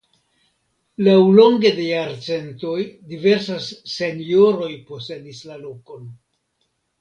Laŭlonge de jarcentoj diversaj senjoroj posedis la lokon.